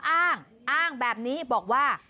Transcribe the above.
อ้างแบบนี้บอกว่า